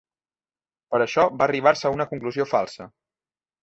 Per això va arribar-se a una conclusió falsa.